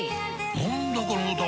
何だこの歌は！